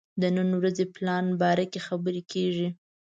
د نن ورځې پلان باره کې خبرې کېږي.